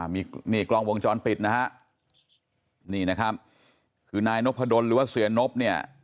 มีนี่กล้องวงจรปิดนะฮะนี่นะครับคือนายนพดลหรือว่าเสียนบเนี่ย